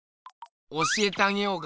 教えてあげようか？